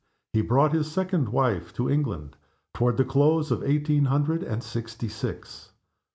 He brought his second wife to England toward the close of eighteen hundred and sixty six.